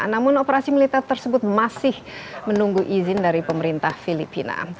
namun operasi militer tersebut masih menunggu izin dari pemerintah filipina